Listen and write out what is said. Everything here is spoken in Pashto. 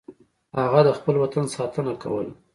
هغه د خپل وطن ساتنه کوله.